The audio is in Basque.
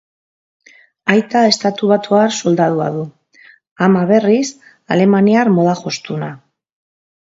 Aita estatubatuar soldadua du, ama, berriz, alemaniar moda-jostuna.